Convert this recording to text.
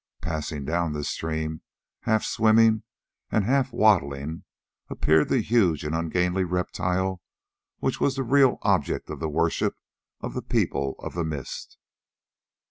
Passing down this stream, half swimming and half waddling, appeared that huge and ungainly reptile which was the real object of the worship of the People of the Mist.